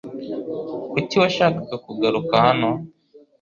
Kuki washakaga kugaruka hano?